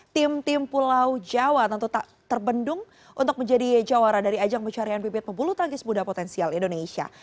tim tim pulau jawa tentu tak terbendung untuk menjadi jawara dari ajang pencarian bibit pebulu tangkis muda potensial indonesia